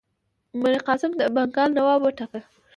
میرقاسم یې د بنګال نواب وټاکه.